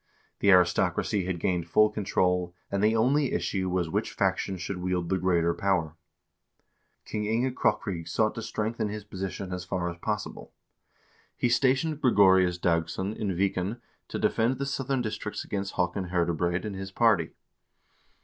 The aristocracy had gained full control, and the only issue was which faction should wield the greater power." King Inge Krokryg sought to strengthen his position as far as possible. He stationed Gregorius Dagss0n in Viken to defend the southern districts against Haakon Herdebreid and his party.